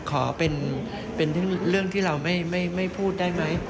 ขอเป็นเรื่องที่เราไม่พูดได้ไหม